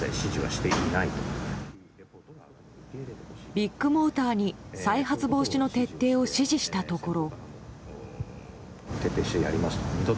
ビッグモーターに再発防止の徹底を指示したところ。